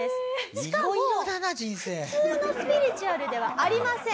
しかも普通のスピリチュアルではありません。